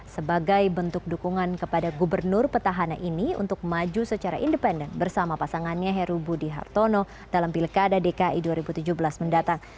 sebagai bentuk dukungan kepada gubernur petahana ini untuk maju secara independen bersama pasangannya heru budi hartono dalam pilkada dki dua ribu tujuh belas mendatang